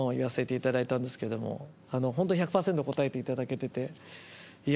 本当１００％応えていただけてていや